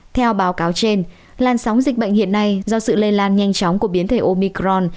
theo báo cáo trên làn sóng dịch bệnh hiện nay do sự lây lan nhanh chóng của biến thể omicron